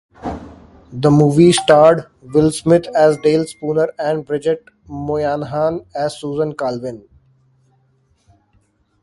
The movie starred Will Smith as Dale Spooner and Bridget Moynahan as Susan Calvin.